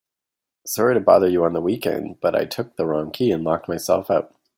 So sorry to bother you on the weekend, but I took the wrong key and locked myself out.